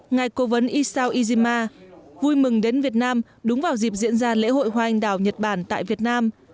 ngài cố vấn iso izima vui mừng đến việt nam đúng vào dịp diễn ra lễ hội hoa anh đào nhật bản tại việt nam